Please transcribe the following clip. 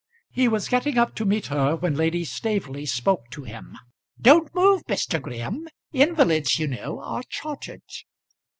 He was getting up to meet her, when Lady Staveley spoke to him. "Don't move, Mr. Graham. Invalids, you know, are chartered."